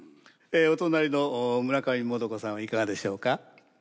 お隣の村上もとかさんはいかがでしょうか？